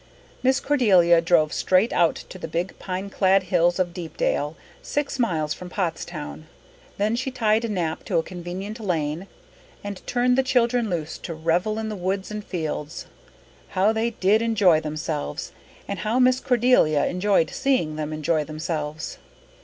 Miss Cordelia drove straight out to the big pine clad hills of Deepdale, six miles from Pottstown. Then she tied Nap in a convenient lane and turned the children loose to revel in the woods and fields. How they did enjoy themselves! And how Miss Cordelia enjoyed seeing them enjoy themselves!